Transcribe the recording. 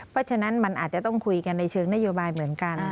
เพราะฉะนั้นมันอาจจะต้องคุยกันในเชิงนโยบายเหมือนกัน